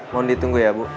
mohon ditunggu ya bu